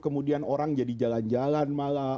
kemudian orang jadi jalan jalan malah